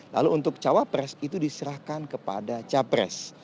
lalu untuk cawapres itu diserahkan kepada capres